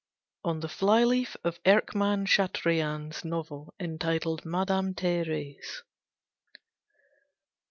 ON THE FLY LEAF OF ERCKMANN CHATRIAN'S NOVEL ENTITLED "MADAME THÉRÈSE."